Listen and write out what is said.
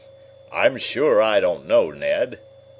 "I'm sure I don't know, Ned."